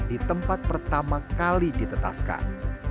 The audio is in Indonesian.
di tempat pertama kali ditetaskan